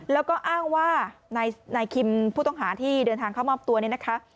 แล้วก็อ้างว่านายคิมผู้ต้องหาที่เดินทางเข้ามอบตัวเนี่ยนะคะ